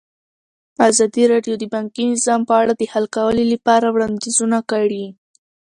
ازادي راډیو د بانکي نظام په اړه د حل کولو لپاره وړاندیزونه کړي.